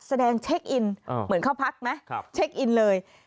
เช็คอินเหมือนเข้าพักไหมเช็คอินเลย